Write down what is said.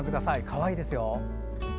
かわいいですよ。